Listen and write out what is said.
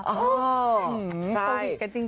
ยังไม่หมดขี่